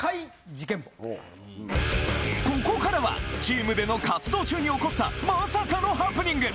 ここからはチームでの活動中に起こったまさかのハプニング！